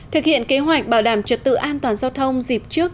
thực hiện kế hoạch bảo đảm trật tự an toàn giao thông dịp trước